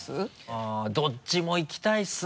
あっどっちも行きたいですね。